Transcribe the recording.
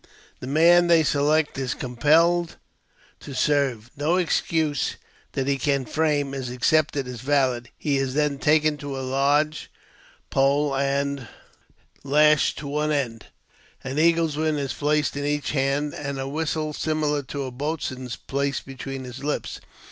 The , man they select is compelled to serve ; no excuse that he cafll frame is accepted as valid. He is then taken to a lodge polP" and lashed to one end ; an eagle's wing is placed in each hand, and a whistle (similar to a boatswain's) placed between his lips.